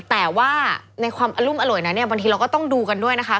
แต่ว่าในความอรุ่นอร่วยบางทีเราก็ต้องดูกันด้วยนะคะ